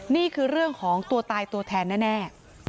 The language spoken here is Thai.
นี่คือเรื่องของตัวตายตัวแทนแน่